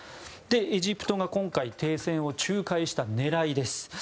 エジプトが今回、停戦を仲介した狙いです。